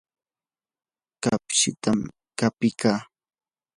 kapchitam qapikaa.